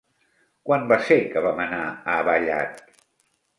Quan va ser que vam anar a Vallat?